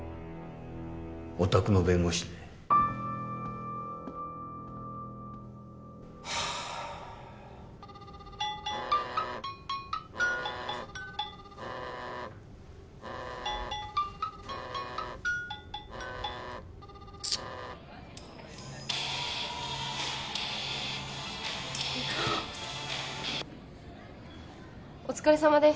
お宅の弁護士でちッお疲れさまです